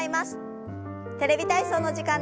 「テレビ体操」の時間です。